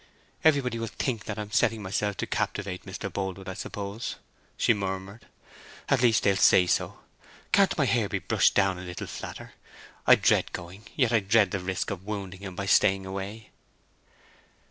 "Everybody will think that I am setting myself to captivate Mr. Boldwood, I suppose," she murmured. "At least they'll say so. Can't my hair be brushed down a little flatter? I dread going—yet I dread the risk of wounding him by staying away."